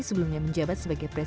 semua ini akan memiliki